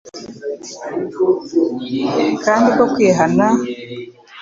kandi ko kwihana no kubabarirwa ibyaha bikwiriye kubwirwa amahanga yose mu izina iye,